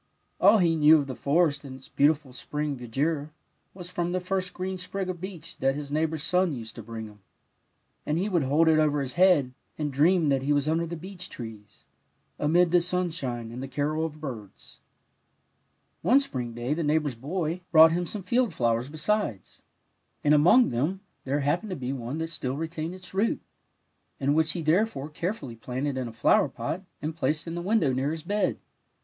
All he knew of the forest and its beautiful spring verdure was from the first green sprig of beech that his neighbour's son used to bring him, and he would hold it over his head, and dream that he was under the beech trees, amid the sim shine and the carol of birds. One spring day the neighbour's boy THE TRANSPLANTED FLOWER 113 brought hini some field flowers besides, and among them there happened to be one that still retained its root, and which he therefore care fully planted in a flower pot and placed in the window near his bed.